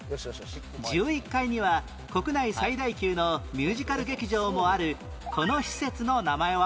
１１階には国内最大級のミュージカル劇場もあるこの施設の名前は？